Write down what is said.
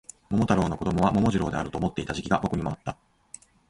桃太郎の子供は桃次郎であると思っていた時期が僕にもあった